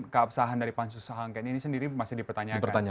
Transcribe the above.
keabsahan dari pansus hankannya ini sendiri masih dipertanyakan